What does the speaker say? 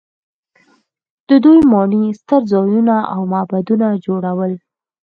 دوی ماڼۍ، ستر ځایونه او معبدونه جوړول.